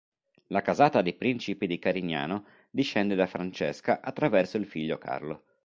La Casata dei Principi di Carignano discende da Francesca attraverso il figlio Carlo.